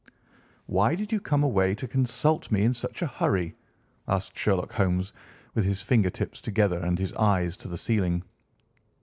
"Why did you come away to consult me in such a hurry?" asked Sherlock Holmes, with his finger tips together and his eyes to the ceiling.